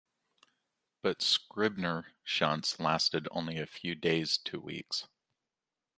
But Scribner shunts lasted only a few days to weeks.